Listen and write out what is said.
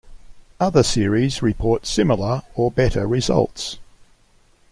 Other series report similar or better results.